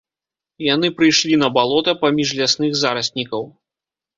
Яны прыйшлі на балота, паміж лясных зараснікаў.